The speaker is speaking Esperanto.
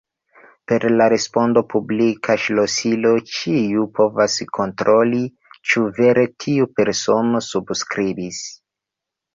Per la responda publika ŝlosilo ĉiu povas kontroli, ĉu vere tiu persono subskribis.